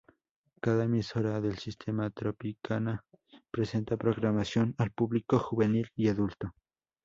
Cada emisora del sistema Tropicana presenta programación al público Juvenil y Adulto.